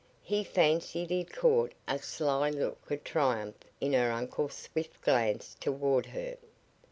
He fancied he caught a sly look of triumph in her uncle's swift glance toward her.